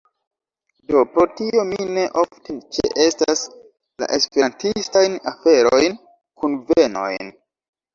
Do, pro tio mi ne ofte ĉeestas la Esperantistajn aferojn, kunvenojn